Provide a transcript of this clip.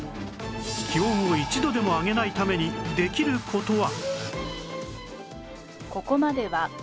気温を１度でも上げないためにできる事は